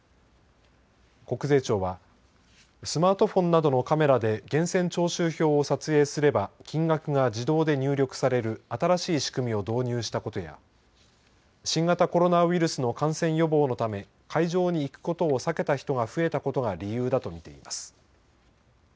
国税庁はスマートフォンなどのカメラで源泉徴収票を撮影すれば金額が自動で入力される新しい仕組みを導入したことや新型コロナウイルスの感染予防のため会場に行くことを避けた人が増えたことが理由だと見ています。